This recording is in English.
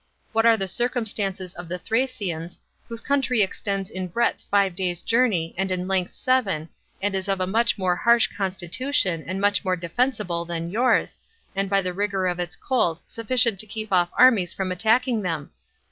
What are the circumstances of the Thracians, whose country extends in breadth five days' journey, and in length seven, and is of a much more harsh constitution, and much more defensible, than yours, and by the rigor of its cold sufficient to keep off armies from attacking them?